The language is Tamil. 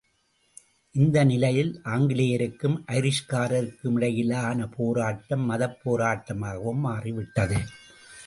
இந்த நிலையில் ஆங்கிலேயருக்கும் ஐரிஷ்காரருக்கிமிடையிலான போராட்டம் மதப்போராட்டமாகவும் மாறிவிட்டது.